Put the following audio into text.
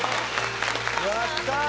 やったー！